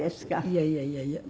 いやいやいやいや。